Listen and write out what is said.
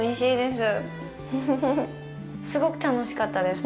すごく楽しかったです。